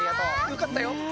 よかったよ。